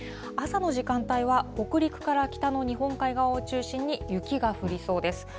朝の時間帯は、北陸から北の日本海側を中心に雪が降りそうです。